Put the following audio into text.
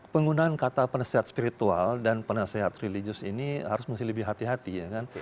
penggunaan kata penasehat spiritual dan penasehat religius ini harus mesti lebih hati hati ya kan